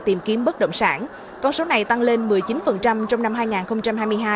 tìm kiếm bất động sản con số này tăng lên một mươi chín trong năm hai nghìn hai mươi hai